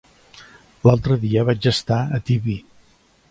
L'altre dia vaig estar a Tibi.